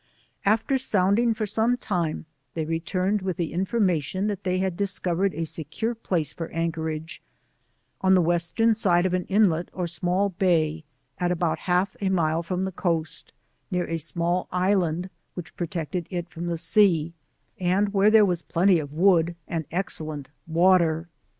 After sounding for some time, they returned with information that they had dis covered a secure place for anchorage, on the Western side of an inlet or small bay at about half a mile from the coast, near a small island which protected it from the sea, and where there was plenty of wood and excellent water.